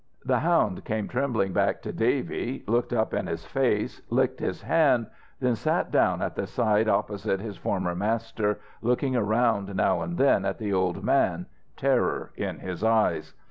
The hound came trembling back to Davy, looked up in his face, licked his hand, then sat down at the side opposite his former master, looking around now and then at the old man, terror in his eyes.